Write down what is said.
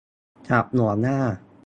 จับหัวหน้า